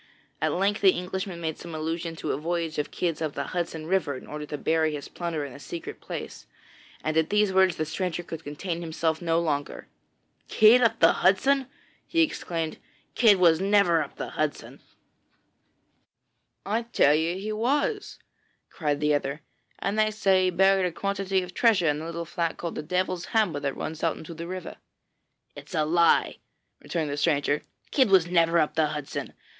At length the Englishman made some allusion to a voyage of Kidd's up the Hudson river in order to bury his plunder in a secret place, and at these words the stranger could contain himself no longer. 'Kidd up the Hudson?' he exclaimed; 'Kidd was never up the Hudson.' [Illustration: WOLFERT FINDS A STRANGER AT THE INN] 'I tell you he was,' cried the other; 'and they say he buried a quantity of treasure in the little flat called the Devil's Hammer that runs out into the river.' 'It is a lie,' returned the stranger; 'Kidd was never up the Hudson!